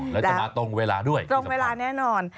แล้วจะมาตรงเวลาด้วยตรงเวลาแน่นอน